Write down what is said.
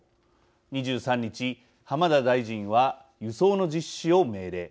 ２３日、浜田大臣は輸送の実施を命令。